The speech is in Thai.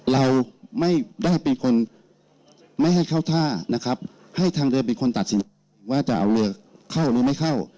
เราไม่ได้เป็นคนไม่ให้เข้าท่านะครับให้ทางเรือเป็นคนตัดสินว่าจะเอาเรือเข้าหรือไม่เข้า